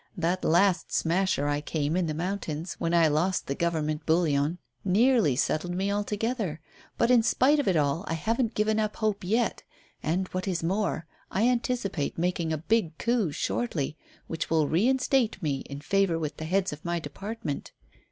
That last smasher I came in the mountains, when I lost the Government bullion, nearly settled me altogether, but, in spite of it all, I haven't given up hope yet, and what is more, I anticipate making a big coup shortly which will reinstate me in favour with the heads of my department.